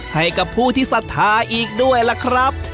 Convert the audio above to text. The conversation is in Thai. ให้กับภูธิสัทธาอีกด้วยล่ะครับ